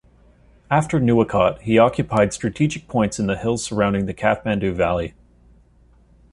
After Nuwakot, he occupied strategic points in the hills surrounding the Kathmandu Valley.